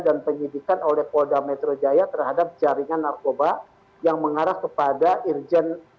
penyidikan oleh polda metro jaya terhadap jaringan narkoba yang mengarah kepada irjen